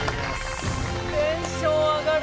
テンション上がる！